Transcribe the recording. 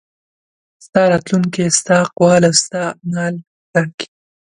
ستا راتلونکی ستا اقوال او ستا اعمال ټاکي.